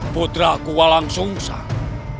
putraku walang sungsang